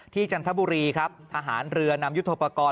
จันทบุรีครับทหารเรือนำยุทธโปรกรณ์